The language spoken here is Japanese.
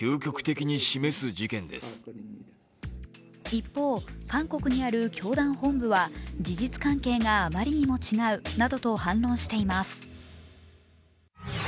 一方、韓国にある教団本部は、事実関係があまりにも違うなどと反論しています。